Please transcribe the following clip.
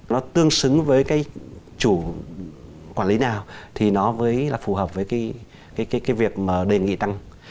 nó tương xứng với chủ quản lý nào thì nó phù hợp với việc đề nghị tăng